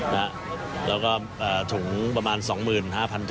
แล้วก็ถุงประมาณ๒๕๐๐๐ถุงนะครับ